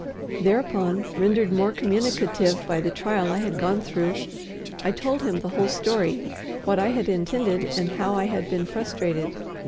Thereupon, rendered more communicative by the trial I had gone through, I told him the whole story, what I had intended and how I had been frustrated.